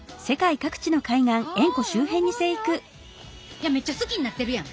いやめっちゃ好きになってるやん。